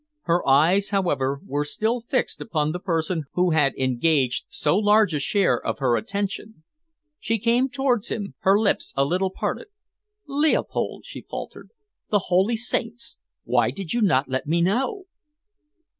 Her eyes, however, were still fixed upon the person who had engaged so large a share of her attention. She came towards him, her lips a little parted. "Leopold!" she faltered. "The Holy Saints, why did you not let me know!"